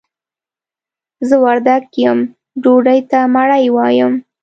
زه وردګ يم ډوډۍ ته مړۍ وايم.